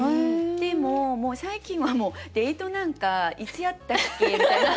でも最近はもうデートなんかいつやったっけ？みたいな。